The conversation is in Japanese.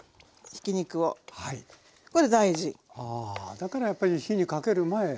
だからやっぱり火にかける前ということ。